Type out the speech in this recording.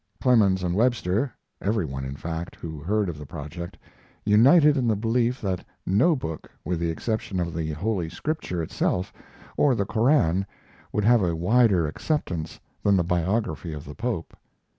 ] Clemens and Webster every one, in fact, who heard of the project united in the belief that no book, with the exception of the Holy Scripture itself or the Koran, would have a wider acceptance than the biography of the Pope.